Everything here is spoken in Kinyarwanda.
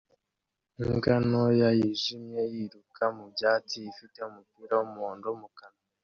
Imbwa ntoya yijimye yiruka mu byatsi ifite umupira wumuhondo mu kanwa